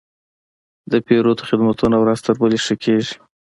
د پیرود خدمتونه ورځ تر بلې ښه کېږي.